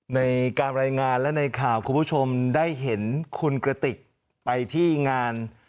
ในการรายงานและในข่าวคุณผู้ชมได้เห็นคุณกระติกไปที่งาน